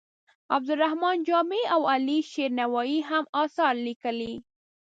عبدالرحمان جامي او علي شیر نوایې هم اثار لیکلي.